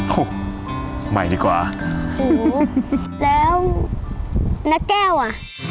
ใหม่ดีกว่าโอ้โหแล้วน้าแก้วอ่ะ